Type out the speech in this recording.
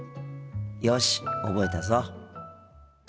よし覚えたぞ。